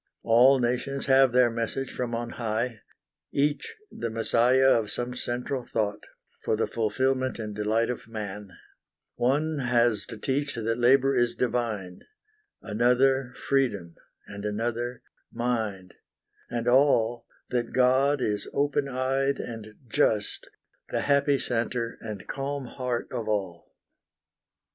All nations have their message from on high, Each the messiah of some central thought, For the fulfilment and delight of Man: One has to teach that labor is divine; Another Freedom; and another Mind; And all, that God is open eyed and just, The happy centre and calm heart of all.